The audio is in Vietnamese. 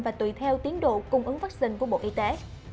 và tùy theo tiến độ cung ứng vaccine của bộ y tế